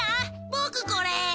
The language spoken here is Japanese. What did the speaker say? ボクこれ。